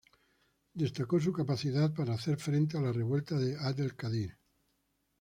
Destacó su capacidad para hacer frente a la revuelta de Abdel Kadir.